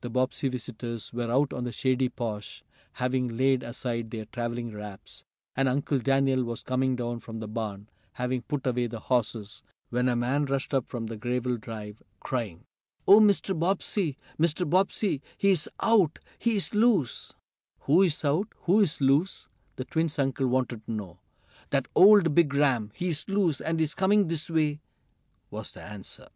The Bobbsey visitors were out on the shady porch, having laid aside their traveling wraps, and Uncle Daniel was coming down from the barn, having put away the horses, when a man rushed up the gravel drive, crying: "Oh, Mr. Bobbsey! Mr. Bobbsey! He's out! He's loose!" "Who's out? Who's loose?" the twins' uncle wanted to know. "That old big ram! He's loose, and he's coming this way!" was the answer.